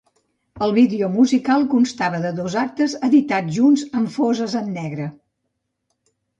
El vídeo musical constava de dos actes, editats junts en foses en negre.